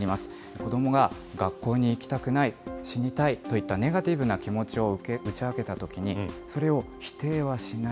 子どもが、学校に行きたくない、死にたいといったネガティブな気持ちを打ち明けたときに、それを否定はしない。